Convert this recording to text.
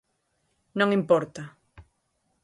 Non importa.